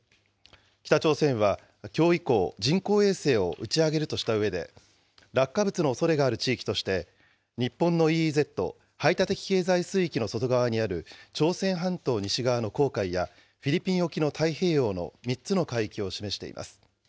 北朝鮮はきょう以降、人工衛星を打ち上げるとしたうえで、落下物のおそれがある地域として、日本のＥＥＺ・排他的経済水域の外側にある、朝鮮半島西側の黄海や、フィリピン沖の太平洋の３つの海域を示しています。